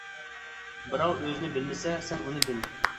بىراۋ ئۆزىنى بىلمىسە، سەن ئۇنى بىل.